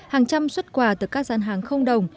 hàng trăm xuất quà từ các gian hàng không đồng